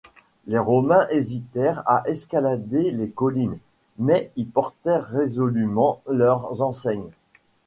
Les Romains hésitèrent à escalader les collines, mais y portèrent résolument leurs enseignes.